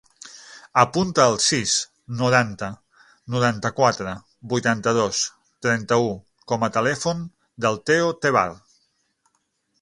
Apunta el sis, noranta, noranta-quatre, vuitanta-dos, trenta-u com a telèfon del Theo Tevar.